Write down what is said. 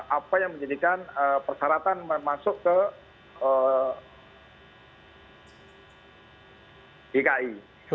apa yang menjadikan persyaratan masuk ke dki